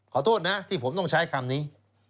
ขอโทษนะที่ผมต้องใช้คำนี้